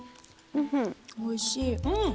うんおいしい。